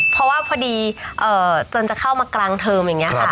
เพราะว่าพอดีจนจะเข้ามากลางเทอมอย่างนี้ค่ะ